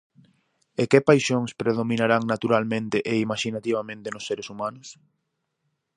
E que paixóns predominarán naturalmente e imaxinativamente nos seres humanos?